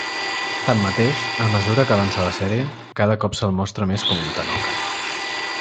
Tanmateix, a mesura que avança la sèrie, cada cop se'l mostra més com un tanoca.